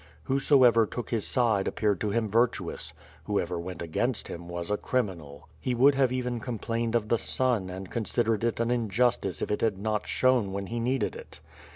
Whosoever took his side appeared to him virtuous; whoever went against him was a criminal. He would have even complained of the sun and considered it an injustice if it had not shone when he needed it.